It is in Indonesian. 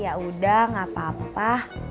ya udah gak apa apa